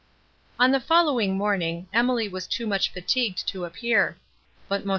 On the following morning, Emily was too much fatigued to appear; but Mons.